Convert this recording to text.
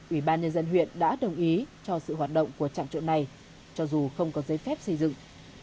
ủy ban nhân dân huyện đã đồng ý cho sự hoạt động của trạm trộn này cho dù không có giấy phép xây dựng